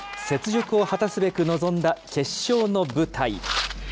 雪辱を果たすべく臨んだ決勝の舞台。